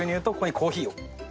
コーヒー？